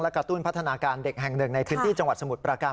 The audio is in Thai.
กระตุ้นพัฒนาการเด็กแห่งหนึ่งในพื้นที่จังหวัดสมุทรประการ